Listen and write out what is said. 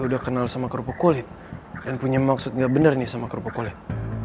udah kenal sama kerupuk kulit dan punya maksudnya bener nih sama kerupuk kulit